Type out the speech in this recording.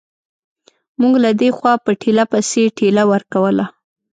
موږ له دې خوا په ټېله پسې ټېله ورکوله.